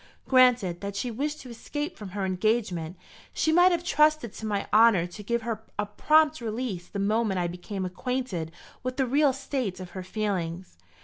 Granted that she wished to escape from her engagement, she might have trusted to my honour to give her a prompt release the moment I became acquainted with the real state of her feelings.